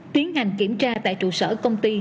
tiến hành kiểm tra tại trụ sở công ty